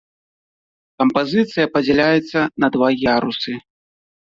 Кампазіцыя падзяляецца на два ярусы.